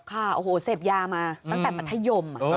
ค่ะโอ้โหเสพยามาตั้งแต่มัธยม